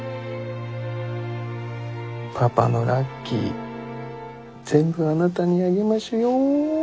パパのラッキー全部あなたにあげましゅよ！